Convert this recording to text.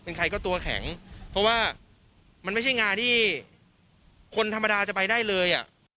เป็นใครก็ตัวแข็งเพราะว่ามันไม่ใช่งานที่คนธรรมดาจะไปได้เลยอ่ะ